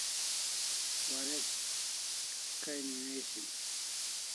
Warek Kai newishim